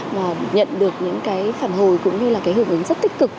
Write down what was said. và nhận được những cái phản hồi cũng như là cái hưởng ứng rất tích cực